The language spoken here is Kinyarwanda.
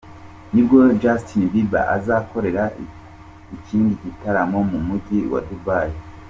nibwo Justin Bieber azakorera ikindi gitaramo mu mujyi wa Dubaï.